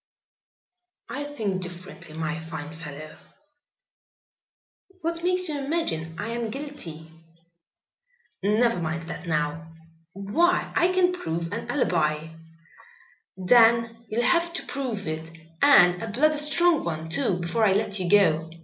"I think differently, my fine fellow." "What makes you imagine I am guilty?" "Never mind that now." "Why, I can prove an alibi." "Then you'll have to prove it, and a bloody strong one too, before I let you go.